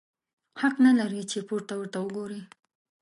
حق نه لرې چي پورته ورته وګورې!